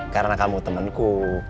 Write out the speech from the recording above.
karena kamu temenku